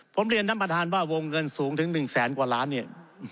ผมเรียนท่านประธานว่าวงเงินสูงถึง๑แสนกว่าล้านเนี่ย